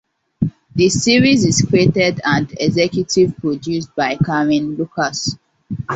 The series is created and executive produced by Caryn Lucas.